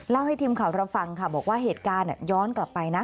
ให้ทีมข่าวเราฟังค่ะบอกว่าเหตุการณ์ย้อนกลับไปนะ